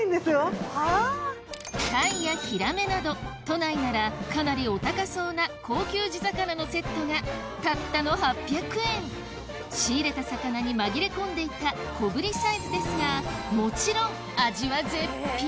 鯛やヒラメなど都内ならかなりお高そうな高級地魚のセットがたったの８００円仕入れた魚に紛れ込んでいた小ぶりサイズですがもちろん味は絶品！